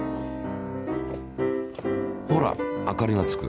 ほら明かりがつく。